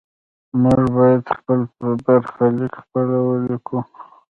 موږ باید خپل برخلیک خپله ولیکو.